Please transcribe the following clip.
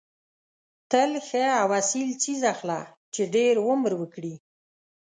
تل ښه او اصیل څیز اخله چې ډېر عمر وکړي.